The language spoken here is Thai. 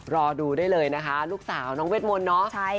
รอดูได้เลยนะคะลูกสาวน้องเวทมนต์เนาะ